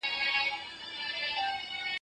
زه بايد جواب ورکړم؟!